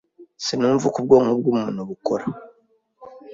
Sinumva uko ubwonko bwumuntu bukora.